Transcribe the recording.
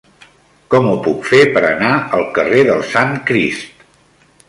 Com ho puc fer per anar al carrer del Sant Crist?